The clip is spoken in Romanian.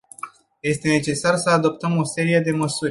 Este necesar să adoptăm o serie de măsuri.